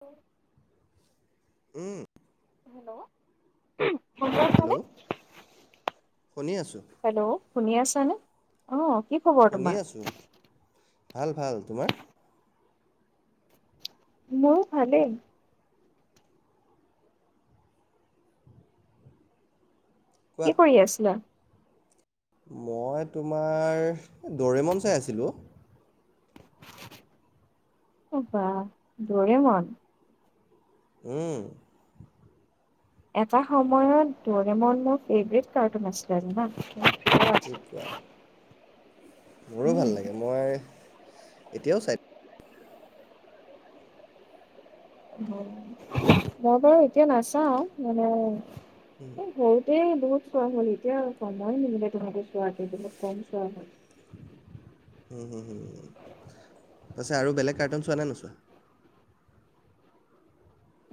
অ। উম। হেল্ল'। শুনি আছানে? হেল্ল' শুনি আছোঁ। হেল্ল' শুনি আছ নে, অ। কি খবৰ শুনি তোমাৰ? আছোঁ ভাল ভাল, তোমাৰ? মোৰো ভালেই। কোৱা কি কৰি আছিলা? মই তোমাৰ, এই ডৰেমন চাই আছিলোঁ অ। ও বা, ডৰেমন উম। এটা সময়ত ডৰেমন মোৰ ফেভাৰিট কাৰ্টুন আছিলে জানা। কি কোৱা? মোৰো উম, ভাল লাগে, মই এতিয়াও চায় মই বাৰু এতিয়া নাচাওঁ, মানে সেই সৰুতেই বহুত চোৱা হ'ল, এতিয়া সময় নিমিলে তেনেকে চোৱাটো বহুত কম চোৱা হয়। হম-হম-হম পাছে আৰু বেলেগ কাৰ্টুন চোৱানে নোচোৱা?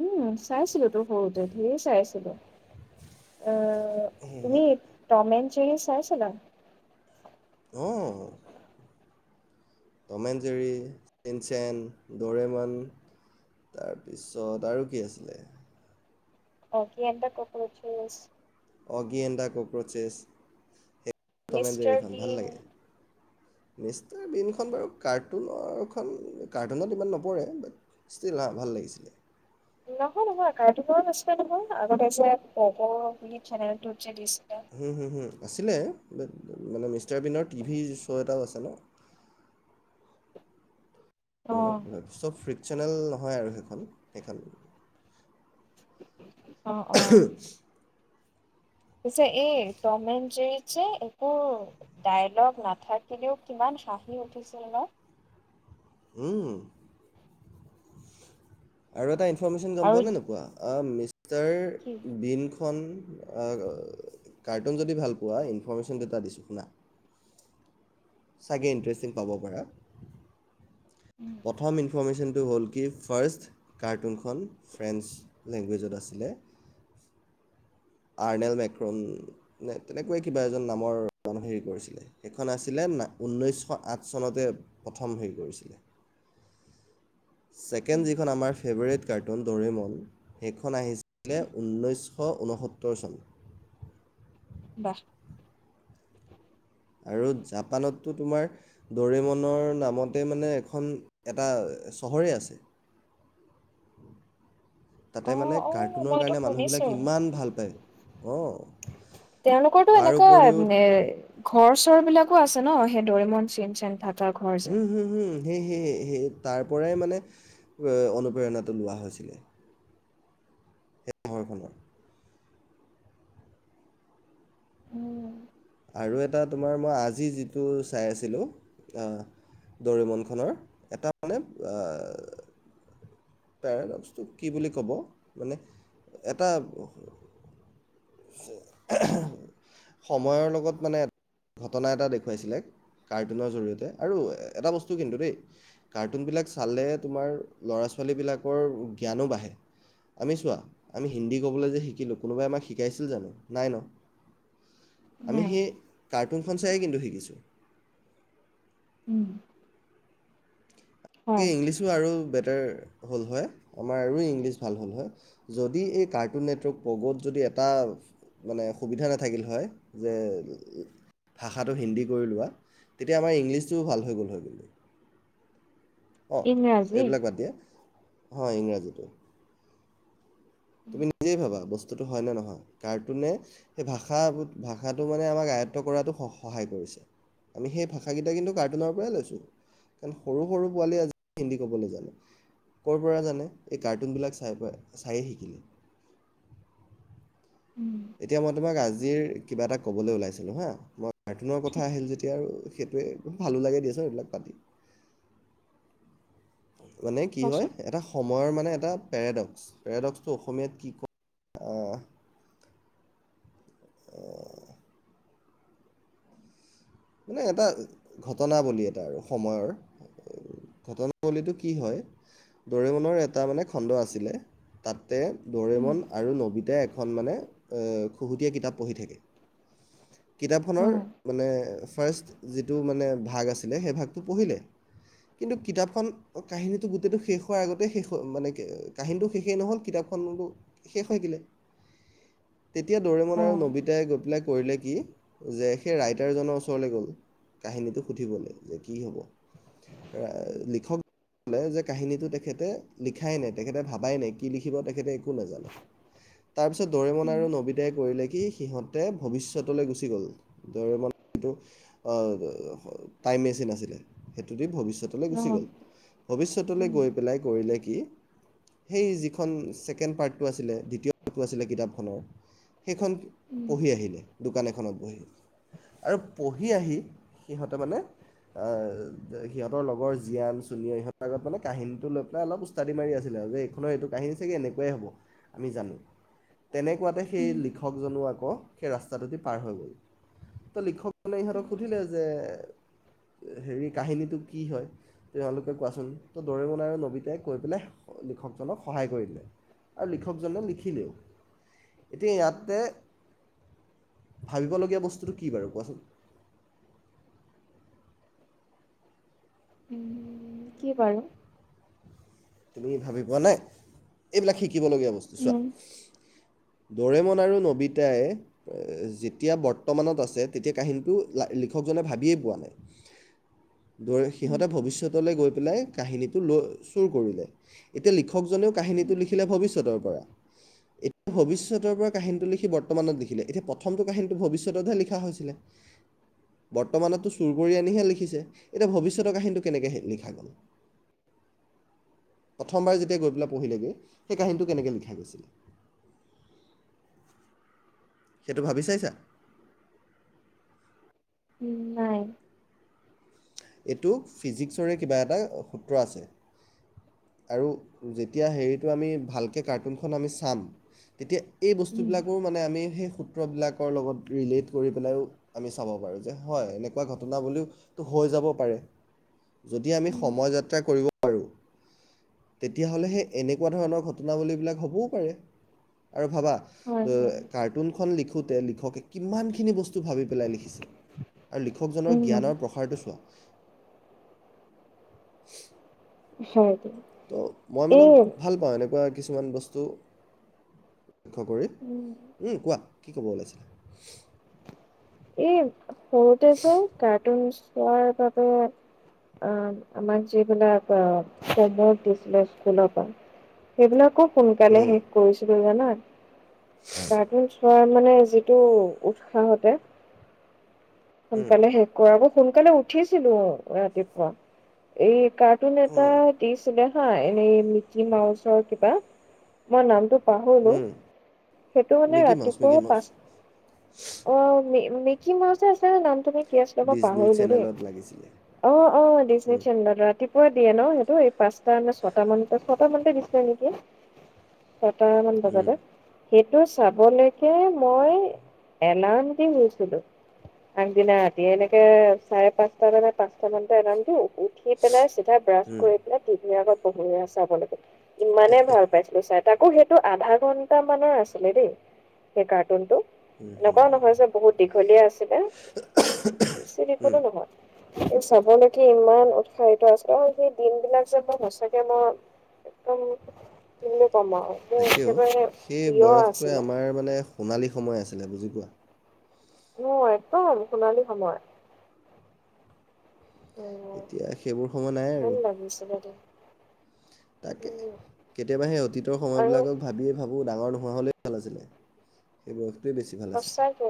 উম, চাইছিলোঁ তো সৰুতে ধেৰ চাইছিলোঁ। অহ, তুমি টম এণ্ড জেৰী চাইছিলা? অঁ Tom and Jerry, Shinchan, Doraemon তাৰ পিছত আৰু কি আছিলে? Oggy and the Cockroaches Oggy and the ককৰচেছ, সেই মিষ্টাৰ বীন মিষ্টাৰ বীনখন বাৰু কাৰ্টুনৰখন কাৰ্টুনত ইমান নপৰে, বাট ষ্টীল হা ভাল লাগিছিলে। নহয়, নহয়, কাৰ্টুনত আছিলে নহয়। আগতে যে পোগো বুলি চেনেলটোত যে দিছিল। হম, হম, হম আছিলে। বাট, মানে মিষ্টাৰ বীনৰ টিভি শ্ব এটাও আছে ন? মানে অ', কি হয় চব ফ্ৰী চেনেল নহয় আৰু হেইখন, সেইখন। অ', অ'। [unintelligible] পিছে এই টম এণ্ড জেৰীতজে, একো ডায়লগ নাথাকিলেও কিমান হাঁহি উঠিছিল ন? হম আৰু এটা ইনফ্ ফৰ্মেশ্যন গম আৰু পোৱা নে নোপোৱা? অহ মিছ তাৰ কি বিন খন আ, কাৰ্টুন যদি ভাল পোৱা ইনফৰ্মেশ্যন দুটা দিছোঁ শুনা চাগে ইণ্টাৰেষ্টিং পাব পাৰা। উম, প্ৰথম ইনফৰ্মেশ্যন তো হ'ল কি, ফাৰ্ষ্ট কাৰ্টুনখন ফ্ৰেন্স লেংগুৱেজত আছিলে। আৰ্নেল মেক্ৰণ নে তেনেকৈ কিবা এজন নামৰ [unintelligible] হেৰি কৰিছিলে। সেইখন আছিলে, না ঊনৈশশ আঠ চনতে প্ৰথম হেৰি কৰিছিলে। ছেকেণ্ড উম। যিখন আমাৰ ফেভাৰিট কাৰ্ট। খন ডৰেমন, সেইখন আহিছিলে ঊনৈশশ ঊনসত্তৰ চন। ৱাহ। আৰু জাপানততো তোমাৰ ডৰেমনৰ নামতে মানে এখন এটা চহৰেই আছে। তাতে অ', মানে অ', কাৰ্টুনৰ মইতো কাৰণে শুনিছো মানুহবিলাক ইমান ভাল পায় অ। তাৰ উপৰিও ঘৰ-চৰ বিলাকো আছে ন সেই দৰিমন চিনচেন থাক হুম হুম হুম- সে সে সে সে তাৰ পৰাই মানে অনুপ্ৰেৰণাটো লোৱা হৈছিলে। সে [unintelligible] ৰখনৰ উম, আৰু এটা তোমাৰ মই আজি যিটো চাই আছিলো দৰিমনখনৰ এটা মানে পেৰাডকছটোক কি বুলি ক'ব? মানে এটা সময়ৰ লগত মানে ঘটনা এটা দেখুৱাইছিলে কাৰ্টুনৰ জৰিয়তে আৰু এটা বস্তু কিন্তু দেই কাৰ্টুনবিলাক চালে তোমাৰ ল'ৰা-ছোৱালীবিলাকৰ জ্ঞানো বাঢ়ে। আমি চোৱা আমি হিন্দী ক'বলৈ যে শিকিলোঁ কোনোবাই আমাক শি শিকাইছিল জানো? নাই ন আমি নাই সেই কাৰ্টুনখন চায়েই কিন্তু শিকিছোঁ। উম হয় ইংলিছো আৰু হ'ল হয় আমাৰ আৰু ইংলিছ ভাল হ'ল হয় যদি এই কাৰ্টুন নেটৱৰ্ক পগ'ত যদি এটা মানে সুবিধা নাথাকিল হয় যে ভাষাটো হিন্দী কৰি লোৱা তেতিয়া আমাৰ ইংলিছটোও ভাল হৈ গ'ল হয় গ' অঁ ইংৰাজী এইবিলাক বাদ দিয়ে হয় ইংৰাজীটো তুমি নিজেই ভাবা বস্তুটো হয় নে নহয় কাৰ্টুনে সেই ভাষা ভাষাটো মানে আমাক আয়ত্ব কৰাটো স সহায় কৰিছে আমি সেই ভাষাকেইটা কিন্তু কাৰ্টুনৰ পৰাই লৈছোঁ কাৰণ সৰু সৰু পোৱালীয়ে আজি হিন্দী ক'বলৈ জানে ক'ৰ পৰা জানে এই কাৰ্টুনবিলাক চাই পাই চায়েই শিকিলে উম, এতিয়া মই তোমাক আজ আজিৰ কিবা এটা ক'বলৈ ওলাইছিলোঁ হা মই কাৰ্টুনৰ কথা আহিল যেতিয়া আৰু সেইটোৱে ভালো লাগে দিয়চ এইবিলাক পাতি মানে কি হয় কোৱাচোন এটা সময়ৰ মানে এ পে্ পে মানে এটা ঘটনৱলী এটা আৰু সময়ৰ ঘটনাবলীটো কি হয় দৰে মনৰ এটা মানে খণ্ড আছিলে তাত উম। দৰেমন আৰু নবিতাই এখন মানে, খুহুতীয়া কিতাপ পঢ়ি থাকে কি কিতাপখনৰ মানে ফাৰ্ষ্ যি যিটো মানে ভাগ আছিলে সেই ভাগটো পঢ়িলে কিন্তু কিতাপখন কাহিনীটো গোটেইটো শেষ হোৱাৰ আগতে শেষ মানে কাহিনীটো শেষেই নহ'ল কিতাপখনত শেষ হৈ গে তেতিয়া দৌৰেমন আৰু নবিতাই গৈ পিলাক কি সেই ৰাইটাৰজনৰ ওচৰ গ'ল কাহিনীটো সুধিবলৈ যে কি হ'ব লিলে যে কাহিনীটো তেখেতে লিখাই নাই তেখে ভাবাই নাই কি লিখিব তেখ তাৰপিছত দৰেমন আৰু নবিতাই কৰিলে কি সিহঁতে ভৱিষ্যতলৈ গুচি গ'ল, দৰেমন যিটো আ টাইম মেচিন আছিলে। সেইটো দি ভবিষ [unintelligible] গুচি গ'ল। ভৱিষ্যতলৈ গৈ পেলাই কৰিলে কি‌, সেই যিখন ছেকেণ্ড পাৰ্টটো আছিলে, দ্বিতীয় পাঠটো আছিলে কিতাপখনৰ সেইখন পঢ়ি আহিলো। দোকান এখনত বহি আৰু পঢ়ি আহি সিহঁতে মানে অঁ সিহঁতৰ লগৰ জীয়ান, চুনীও ইহঁতৰ আগত মানে কাহিনীটো লৈ পেলাই অলপ ওস্তাদি মাৰি আছিলে দেই আৰু যে এইখনৰ এইটো কাহিনী চাগে এনেকুৱাই হ'ব আমি জানো। তেনেকুৱাতে সেই লিখকজনো আকৌ সেই ৰাস্তাটোদি পাৰ হৈ গ'ল, ত' লিখক মানে ইহঁতক সুধিলে যে হেৰি কাহিনীটো কি হয় তেওঁলোকে কোৱাচোন তো দৰেমন আৰু নবিতাই কৈ পেলাই লিখকজনক সহায় কৰিলে আৰু লিখকজনে লিখিলেও এতিয়া ইয়াতে, ভাবিবলগীয়া বস্তুটো কি বাৰু কোৱাচোন? উম, কি বাৰু? তুমি ভাবি পোৱা নাই এইবিলাক শিকিবলগীয়া বস্তু চোৱা উম, দৰেমন আৰু নবিতাই যেতিয়া বৰ্তমানত আছে তেতিয়া কাহিনীটো লিখকজনে ভাবিয়েই পোৱা নাই সিহঁতে ভৱিষ্যতলৈ গৈ পেলাই কাহিনীটো লৈ চুৰ এতিয়া লিখকজনেও কাহিনীটো লিখিলে ভৱিষ্যতৰ পৰা এতি ভৱিষ্যতৰ পৰা কাহিনীটো লিখি বৰ্তমানত লিখিলে এতিয়া প্ৰথমটো কাহিনীটো ভৱিষ্যততহে লিখা হৈছিলে বৰ্তমানতো চুৰ কৰি আনিহে লিখিছে এতিয়া ভৱিষ্যতৰ কাহিনীটো কেনেকে লিখা গ'ল। প্ৰথমবাৰ যেতিয়া গৈ পেলাই পঢ়িলেগৈ, সেই কাহিনীটো কেনেকে লিখা গৈছিলে? সেইটো ভাবি চাইছা? উম নাই! এইটো ফিজিক্সৰে কিবা এটা সূত্ৰ আছে আৰু যেতিয়া হেৰিটো আমি ভালকে কাৰ্টুনখন আমি চাম, তেতিয়া এই বস্তুবিলাকৰো মানে আমি সেই সু বিলাকৰ লগত ৰিলেট কৰি পেলাইও আমি চাব পাৰোঁ যে, হয়, এনেকুৱা ঘটনা বুলিওতো হৈ যাব পাৰে, যদি আমি সময় যাত্ৰা কৰিব বাৰু তেতিয়াহ'লে সেই এনেকুৱা ধৰণৰ ঘটনাৱলীবিলাক হ'বও পাৰে, আৰু ভাবা হয়, অ হয়। কাৰ্টুনখন লিখি তে লিখকে কিমান খিনি বস্তু ভাবি পেলাই লিখিছে। লিখকজনৰ উম, জ্ঞানৰ প্ৰসাৰটো চোৱা [inaudible] হয়। দিয়া। ত' মই মানে, এই ভাল পাওঁ এনেকুৱা কিছুমান বস্তু লক্ষ্য কৰি, উম, উম কোৱা কি ক'ব ওলাইছিলে? এই! সৰুতে যে, কাৰ্টুন চোৱাৰ বাবে, অ আমাক যিবিলাক অ হমৱৰ্ক দিছিলে স্কুলৰ পৰা, সেইবিলাকো সোনকালে শেষ কৰিছিলোঁ জানা? [inaudible] কাৰ্টুন চোৱা। মানে যিটো উৎসাহতে সোনকালে শেষ কৰাগে সোনকালে উঠিছিলোঁ ৰাতিপুৱা, এই ক নতুন এটা দিছিলে। হয় এনেই মিকি মাউছৰ কিবা, মই নামটো পাহৰিলোঁ। সেইটো মানে মিকি মাউচ ৰাতিপুৱা মিকি মাউচ পাঁচ--আহ মিকি মাউছৰ আচল নামটো কি আছিলে ডিজনী পাহৰিলোঁ দেই। চেনেলত লাগিছিলে অ! অ! ডিজনী চেনেলত ৰাতিপুৱ পুৱা দিয়ে ন? সেইটো এই পাঁচটা নে ছয়টা মানতে, ছয়টা মানতে দিছিলে নেকি? ছয়টা মান বজাতে সেইটো চাবলৈকে মই এলাৰ্ম দিছোঁ আগদিনা ৰাতি এনেকে চাৰে পাঁচটা বা পাঁচটা মানতে আৰাম দিওঁ। উঠি পেলাই চিধাই ব্ৰাছ কৰি পেলাই টিভিৰ আগত [unintelligible] ইমানে ভাল পাইছিলো [inaudible] তাকো, সেইটো আধা ঘন্টা মানৰ আছিলে দেই, সেই কাৰ্টুনটো এনেকুৱাও নহয় যে, বহুত দীঘলীয়া আছিলে, বেছি দীঘলো নহয়। চাবলৈকে ইমান উৎসাহিত আছে আৰু সেই দিনবিলাক যে মই সঁচাকে মই একদম ক'ম আৰু মোৰ তাকেও একেবাৰে সেই প্ৰিয় বয়সটোৱে আছিলে। আমাৰ মানে সোণালী সময় আছে [inaudible] বুজি পোৱা। অ', একদম সোণালী সময়। উম এতিয়া সেইবোৰ সময় নাই ভাল আৰু লাগিছিলে দেই তাকে, উম কেতিয়াবা সেই অতীতৰ আৰু সময়বিলাকক ভাবিয়ে ভাব [unintelligible] ডাঙৰ নোহোৱা হ'লেই ভাল আছিলে সেইবোৰ [inaudible] বেছি ভাল আছিলে। সঁচাকে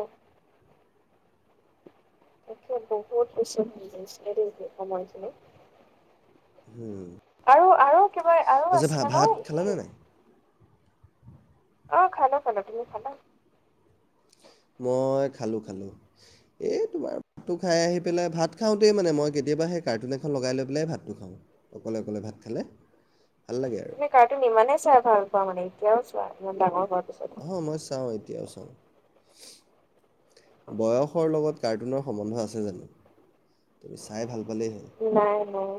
[inaudible] বহুত [unintelligible] [unintelligible] হম। আৰু আৰু কিবা আৰু আছিলে ন! ভাত খালানে সেই নাই অ', খালোঁ, খালোঁ তুমি খালা? মই খালোঁ, খালোঁ এই তোমাৰ ভাতটো খাই আহি পেলাই ভাত খাওঁতেই মানে মই কেতিয়াবা সেই কাৰ্টুন এখন লগাই লৈ পেলাই ভাতটো খাওঁ অকলে, অকলে ভাত খালে। ভাল লাগে আৰু তুমি কাৰ্টুন ইমানে চাই ভাল পোৱা মানে এতিয়াও চোৱা ইমান ডাঙৰ ঘৰত অ মই চাওঁ এতিয়া বয়সৰ লগত কাৰ্টুনৰ সম্বন্ধ আছে জানো তুমি চাই ভাল পালেই হ'ল, নাই নাই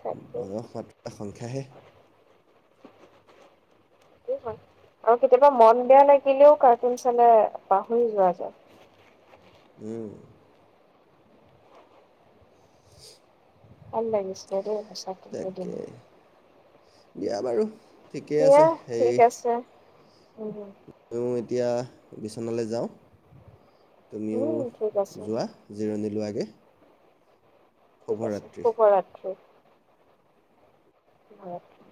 তাকে বয়স মাত্ৰ সংখ্যাহে। [inaudible] আৰু কেতিয়াবা মন বেয়া লাগিলেও কাৰ্টুন চালে পাহৰি যোৱা যায় উম। ভাল লাগিছিলে দেই সঁচাকে তাকে [unintelligible] দিয়া বাৰু। ঠিকেই দিয়া আছে ঠিক হেৰি আছে। উম। মই এতিয়া বিচনালে যাওঁ। তুমিও উম ঠিক আছে যোৱা জিৰণি লোৱাগে ঠিক আছে, শুভৰাত্ৰি। শুভৰাত্ৰি।